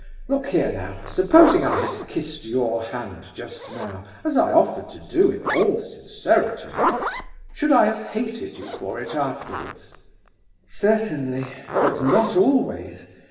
Look here now, supposing I had kissed your hand just now, as I offered to do in all sincerity, should I have hated you for it afterwards?" "Certainly, but not always.